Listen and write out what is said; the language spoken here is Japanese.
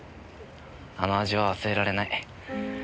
あの味は忘れられない。